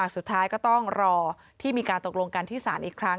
สุดท้ายก็ต้องรอที่มีการตกลงกันที่ศาลอีกครั้ง